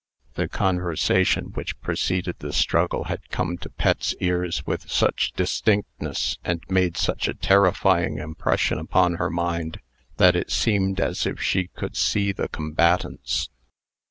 The conversation which preceded this struggle, had come to Pet's ears with such distinctness, and made such a terrifying impression upon her mind, that it seemed as if she could see the combatants.